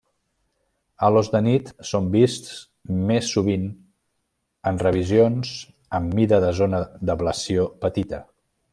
Halos de nit són vists més sovint en revisions amb mida de zona d'ablació petita.